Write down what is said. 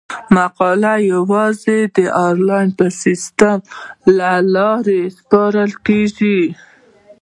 مقالې یوازې د انلاین سیستم له لارې سپارل کیږي.